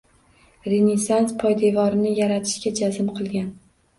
Renessans poydevorini yaratishga jazm qilgan